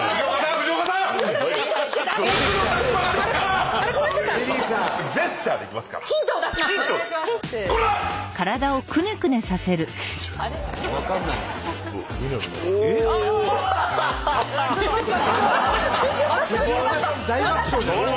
藤岡さん大爆笑じゃん。